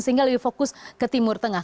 sehingga lebih fokus ke timur tengah